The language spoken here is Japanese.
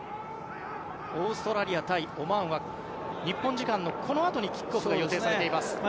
オーストラリア対オマーンは日本時間のこのあとキックオフが予定されています。